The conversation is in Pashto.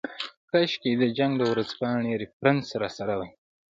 کاشکې د جنګ د ورځپاڼې ریفرنس راسره وای.